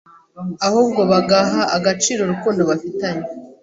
ahubwo bagaha agaciro urukundo bafitanye